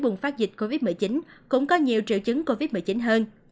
bùng phát dịch covid một mươi chín cũng có nhiều triệu chứng covid một mươi chín hơn